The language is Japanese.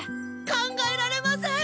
考えられません！